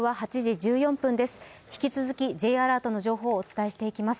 引き続きＪアラートの情報をお伝えしていきます。